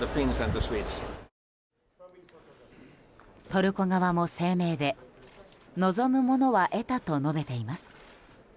トルコ側も声明で望むものは得たと述べています。